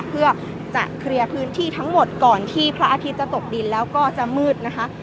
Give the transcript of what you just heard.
เพื่อจะเคลียร์พื้นที่ทั้งหมดก่อนที่พระอาทิตย์จะตกดินแล้วก็จะมืดนะคะ